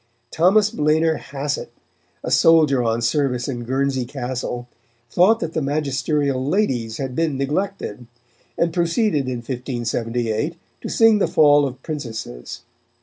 Thomas Blener Hasset, a soldier on service in Guernsey Castle, thought that the magisterial ladies had been neglected, and proceeded in 1578 to sing the fall of princesses.